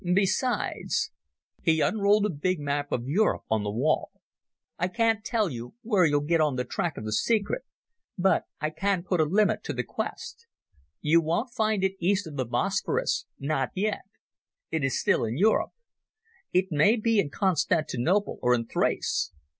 Besides ..." He unrolled a big map of Europe on the wall. "I can't tell you where you'll get on the track of the secret, but I can put a limit to the quest. You won't find it east of the Bosporus—not yet. It is still in Europe. It may be in Constantinople, or in Thrace.